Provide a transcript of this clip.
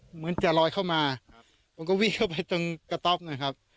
เหมือนจะลอยเข้ามาผมก็วิ่งเข้าไปตรงกระต๊อบนะครับ